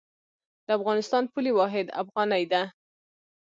د افغانستان پولي واحد افغانۍ ده